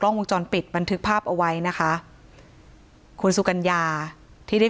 วงจรปิดบันทึกภาพเอาไว้นะคะคุณสุกัญญาที่ได้